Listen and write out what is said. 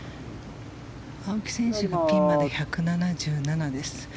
青木選手がピンまで１７７です。